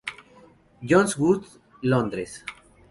John's Wood, Londres.